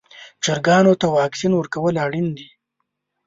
چرګانو ته واکسین ورکول اړین دي.